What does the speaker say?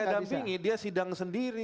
ibu yang saya dampingi dia sidang sendiri